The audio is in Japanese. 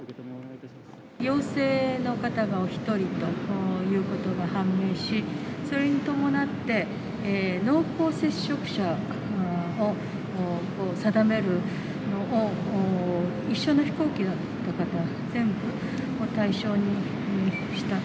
陽性の方がお１人ということが判明し、それに伴って濃厚接触者を定めるのを、一緒の飛行機の方全部を対象にした。